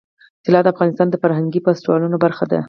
طلا د افغانستان د فرهنګي فستیوالونو برخه ده.